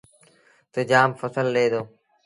تا جآم ڦسل ڏي دو۔